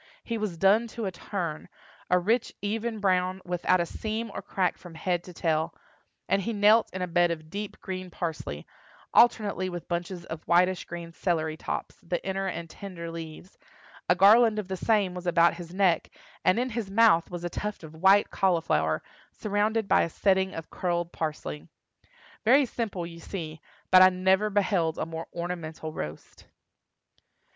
He was done to a turn—a rich, even brown, without a seam or crack from head to tail, and he knelt in a bed of deep green parsley, alternately with bunches of whitish green celery tops (the inner and tender leaves); a garland of the same was about his neck, and in his mouth was a tuft of white cauliflower, surrounded by a setting of curled parsley. Very simple, you see; but I never beheld a more ornamental roast.